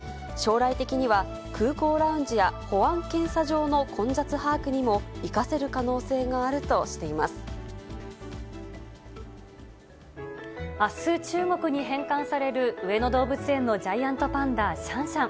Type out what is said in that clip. サウナの中はカメラで撮影できないため、３Ｄセンサーで検知し、将来的には、空港ラウンジや保安検査場の混雑把握にも生かせる可能性があるとあす、中国に返還される上野動物園のジャイアントパンダ、シャンシャン。